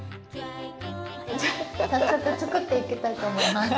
早速作っていきたいと思います。